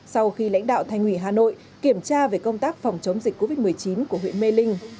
sau khi lãnh đạo thành ủy hà nội kiểm tra về công tác phòng chống dịch covid một mươi chín của huyện mê linh